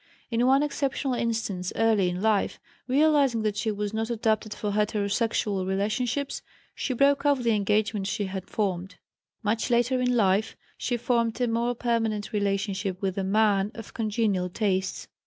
In one exceptional instance, early in life, realizing that she was not adapted for heterosexual relationships, she broke off the engagement she had formed. Much later in life, she formed a more permanent relationship with a man of congenial tastes.